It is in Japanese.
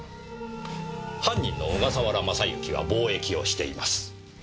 犯人の小笠原雅之は貿易をしています。